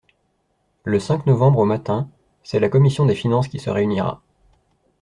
Le cinq novembre au matin, c’est la commission des finances qui se réunira.